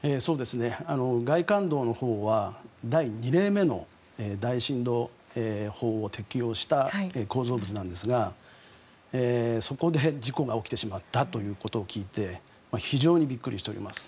外環道のほうは第２例目の大深度法を適用した構造物なんですが、そこで事故が起きてしまったと聞いて非常にびっくりしております。